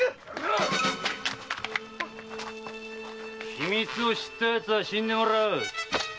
秘密を知った奴は死んでもらう。